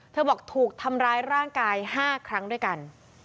บอกถูกทำร้ายร่างกาย๕ครั้งด้วยกัน